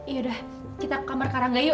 yaudah kita kamar karangga yuk